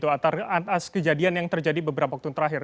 atas kejadian yang terjadi beberapa waktu terakhir